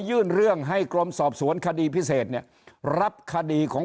ยื่นเรื่องให้กรมสอบสวนคดีพิเศษเนี่ยรับคดีของ